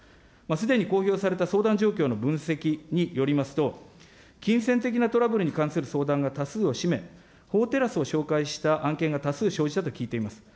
すでに公表された相談状況の分析によりますと、金銭的なトラブルに関する相談が多数を占め、法テラスを紹介した案件が多数生じたと聞いています。